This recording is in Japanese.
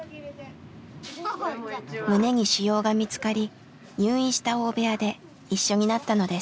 胸に腫瘍が見つかり入院した大部屋で一緒になったのです。